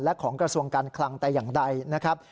และของกระทรวงการคลังแต่อย่างใดนะครับ